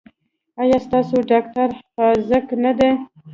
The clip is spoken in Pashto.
ایا ستاسو ډاکټر حاذق نه دی؟